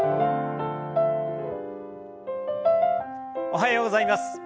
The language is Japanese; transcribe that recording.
おはようございます。